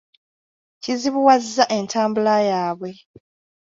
Kizibuwazza entambula yaabwe.